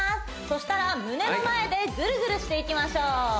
そしたら胸の前でぐるぐるしていきましょう